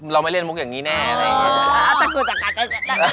เราไม่เล่นมุกอย่างนี้แน่อะไรอย่างนี้